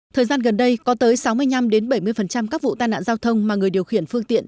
thời gian gần đây có tới sáu mươi năm bảy mươi các vụ tai nạn giao thông mà người điều khiển phương tiện